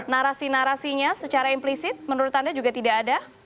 narasi narasinya secara implisit menurut anda juga tidak ada